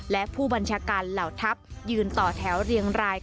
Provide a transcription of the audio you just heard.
และผู้บัญชาการเหล่าทัพยืนต่อแถวเรียงราย